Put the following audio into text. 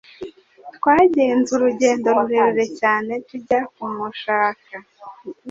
Twagenze urugendo rurerure cyane tujya kumushaka .